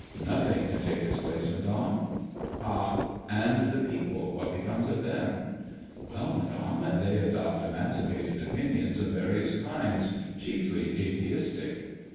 " Nothing can take its place, Madame." '' Ha 1 And the people ; what becomes of them ?" Well, Madame, they adopt emancipated opinions of various kinds ; chiefly atheistic."